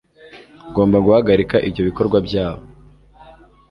Ngomba guhagarika ibyo bikorwa byabo .